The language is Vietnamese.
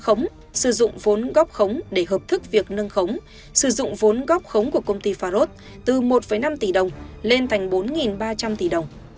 khống sử dụng vốn góp khống để hợp thức việc nâng khống sử dụng vốn góp khống của công ty farod từ một năm tỷ đồng lên thành bốn ba trăm linh tỷ đồng